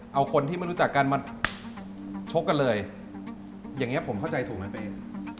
เอาคนที่ไม่รู้จักกันมาชกกันเลยอย่างนี้ผมเข้าใจถูกกันไปเอง